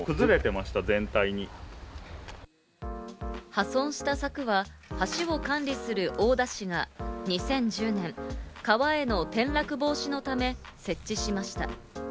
破損した柵は橋を管理する大田市が、２０１０年、川への転落防止のため設置しました。